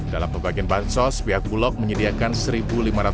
dalam pebagian bantso sepihak bulog menyediakan seribu barang